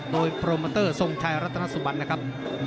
โดยโปรโมเตอร์ทรงชัยรัตนสุบันนะครับ